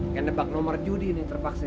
kayak debak nomor judi nih terpaksa